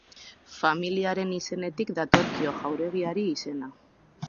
Familia haren izenetik datorkio jauregiari izena.